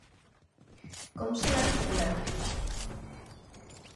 Com se la figura?